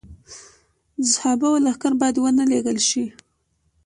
د صحابو لښکر باید ونه لېږل شي.